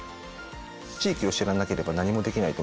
地域を知らなければ何もできないと思ってるので